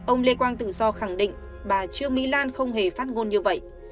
ông lê quang tự do khẳng định bà trương mỹ lan không hề phát ngôn như vậy